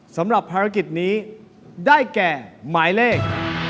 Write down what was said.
สำหรับภารกิจนี้ได้แก่หมายเลข